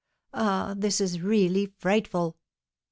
"Ah, this is really frightful!"